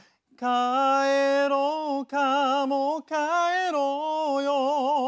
「帰ろうかもう帰ろうよ」